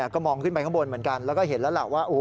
ก็มองขึ้นไปข้างบนเหมือนกันแล้วก็เห็นแล้วล่ะว่า